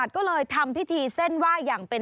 ก็เลยทำพิธีเส้นไหว้อย่างเป็น